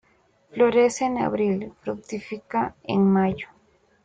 Florece en abril, fructifica en mayo.